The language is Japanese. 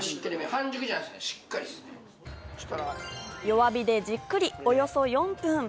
弱火でじっくり、およそ４分。